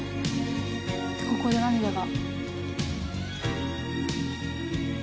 「ここで涙が」